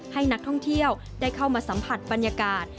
ให้นักท่องเที่ยวได้เข้ามาสัมผัสบรรยากาศ